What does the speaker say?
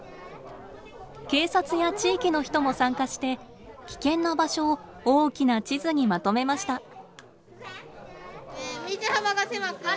警察や地域の人も参加して危険な場所を大きな地図にまとめました。